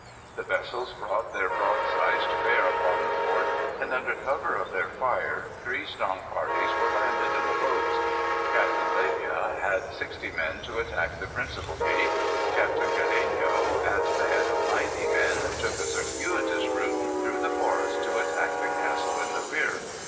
The vessels brought their broadsides to bear upon the fort, and, under cover of their fire, three strong parties were landed in the boats. Captain Leyva led sixty men to attack the principal gate. Captain Galeno, at the head of ninety men, took a circuitous route through the forest to attack the castle in the rear.